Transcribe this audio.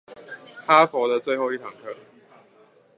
哈佛的最後一堂課